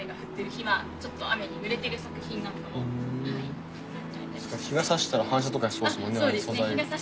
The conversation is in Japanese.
日が差したら反射とかしそうですもんね。